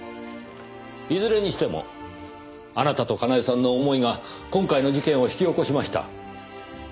いずれにしてもあなたとかなえさんの思いが今回の事件を引き起こしました。